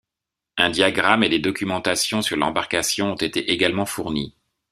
Un diagramme et des documentations sur l'embarcation ont été également fournis.